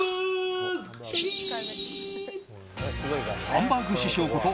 ハンバーグ師匠こと